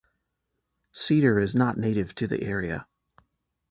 Cedar is not native to the area.